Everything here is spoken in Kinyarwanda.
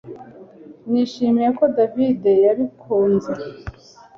Nishimiye ko David yabikunze